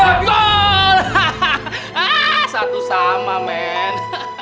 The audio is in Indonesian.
hahah satu sama men